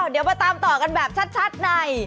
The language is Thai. เดี๋ยวมาตามต่อกันแบบชัดใน